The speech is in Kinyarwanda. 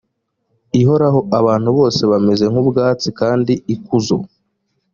ihoraho abantu bose bameze nk ubwatsi kandi ikuzo